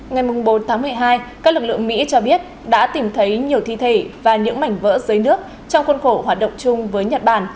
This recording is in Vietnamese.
ngày bốn tháng một mươi hai các lực lượng mỹ cho biết đã tìm thấy nhiều thi thể và những mảnh vỡ dưới nước trong khuôn khổ hoạt động chung với nhật bản